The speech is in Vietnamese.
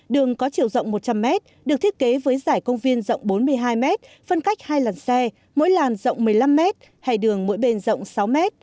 đường có chiều rộng một trăm linh m được thiết kế với giải công viên rộng bốn mươi hai mét phân cách hai làn xe mỗi làn rộng một mươi năm mét hay đường mỗi bên rộng sáu m